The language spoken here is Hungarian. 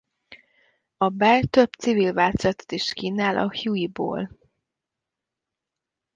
A Bell több civil változatot is kínál a Hueyból.